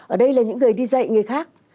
ở đây là những người đi dạy người khác